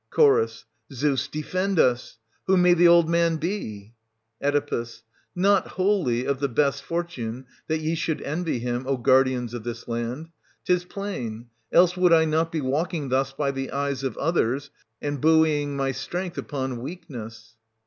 Ch. Zeus defend us ! who may the old man be ? Oe. Not wholly of the best fortune, that ye should envy him, O guardians of this land !— Tis plain ; else would I not be walking thus by the eyes of others, and buoying my strength upon weakness.